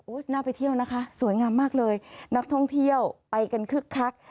น่าไปเที่ยวนะคะสวยงามมากเลยนักท่องเที่ยวไปกันคึกคัก